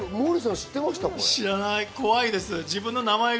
知らない。